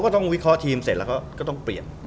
ต้องวิเคราะห์ทีมเสร็จแล้วก็ต้องเปลี่ยน